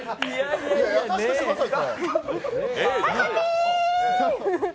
優しくしてくださいよ！